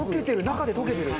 中で溶けてる！